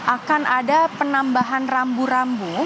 akan ada penambahan rambu rambu